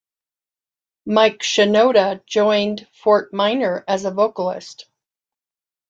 Mike Shinoda joined Fort Minor as a vocalist.